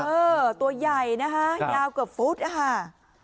เออตัวใหญ่นะฮะยาวกว่าฟุตค่ะ